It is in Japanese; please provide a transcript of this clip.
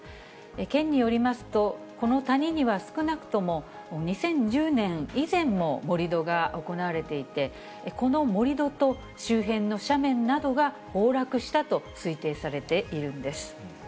県によりますと、この谷には少なくとも２０１０年以前も盛り土が行われていて、この盛り土と周辺の斜面などが崩落したと推定されているんです。